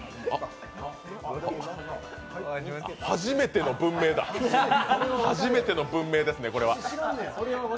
初めての文明だ、初めての文明ですね、これは。